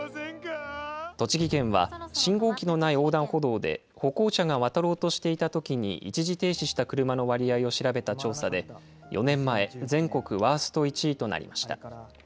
栃木県は信号機のない横断歩道で歩行者が渡ろうとしていたときに一時停止した車の割合を調べた調査で、４年前、全国ワースト１位となりました。